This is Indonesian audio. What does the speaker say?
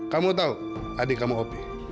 kamu tau adik kamu opi